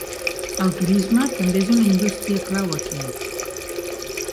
El turisme també és una indústria clau aquí.